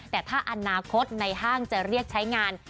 แต่ถ้าอนาคตในห้างจะเรียกใช้งาน